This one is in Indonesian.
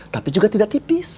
tapi juga tidak tipis